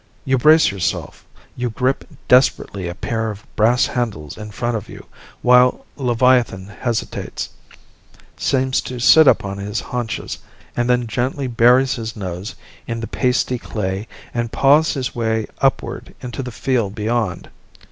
You brace yourself, you grip desperately a pair of brass handles in front of you, while leviathan hesitates, seems to sit up on his haunches, and then gently buries his nose in the pasty clay and paws his way upward into the field beyond.